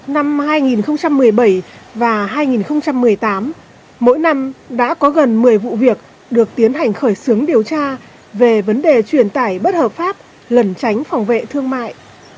năm hai nghìn một mươi bảy và hai nghìn một mươi tám mỗi năm đã có gần một mươi vụ việc được tiến hành khởi xướng điều tra về vấn đề truyền tải bất hợp pháp lẩn tránh phòng vệ thương mại